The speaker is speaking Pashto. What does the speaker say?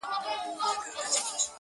• بې سپرلیه بې بارانه ګلان شنه کړي,